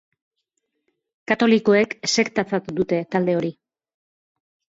Katolikoek sektatzat dute talde hori.